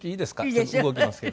ちょっと動きますけど。